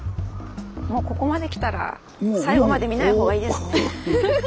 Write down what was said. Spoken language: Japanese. もうここまできたら最後まで見ないほうがいいですね。